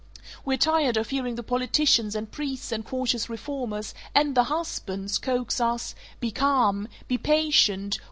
We're tired of hearing the politicians and priests and cautious reformers (and the husbands!) coax us, 'Be calm! Be patient!